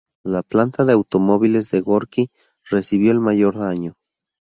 La Planta de automóviles de Gorki recibió el mayor daño.